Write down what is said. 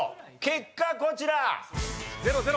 結果こちら！